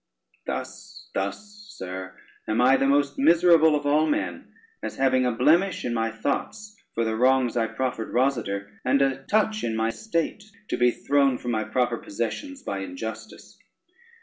Thus, thus, sir, am I the most miserable of all men, as having a blemish in my thoughts for the wrongs I proffered Rosader, and a touch in my state to be thrown from my proper possessions by injustice.